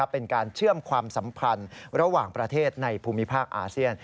เป็นการเชื่อมความสัมพันธ์ระหว่างประเทศในภูมิภาคอาเซียน